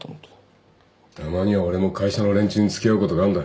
たまには俺も会社の連中に付き合うことがあんだ。